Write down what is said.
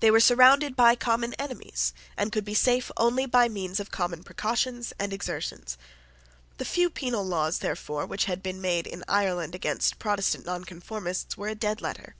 They were surrounded by common enemies, and could be safe only by means of common precautions and exertions. The few penal laws, therefore, which had been made in Ireland against Protestant Nonconformists, were a dead letter.